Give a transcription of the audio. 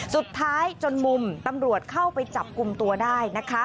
สุดท้ายจนมุมตำรวจเข้าไปจับกุมตัวได้นะคะ